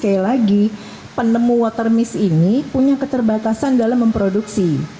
jadi penemu water mist ini punya keterbatasan dalam memproduksi